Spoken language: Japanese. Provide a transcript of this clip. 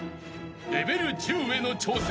［レベル１０への挑戦。